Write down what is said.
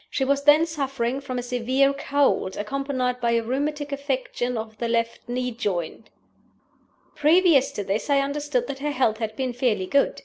She was then suffering from a severe cold, accompanied by a rheumatic affection of the left knee joint. Previous to this I understood that her health had been fairly good.